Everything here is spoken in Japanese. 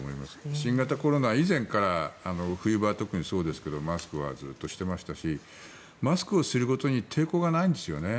新型コロナ以前から冬場は特にそうですがマスクはずっとしてましたしマスクをすることに抵抗がないんですよね。